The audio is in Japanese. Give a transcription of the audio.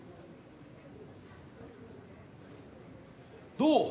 どう？